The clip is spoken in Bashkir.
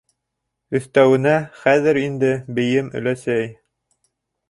Өҫтәүенә, хәҙер инде — бейем, өләсәй.